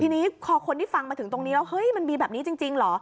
ทีนี้คนที่ฟังมาถึงตรงนี้มันมีแบบนี้จริงเหรอ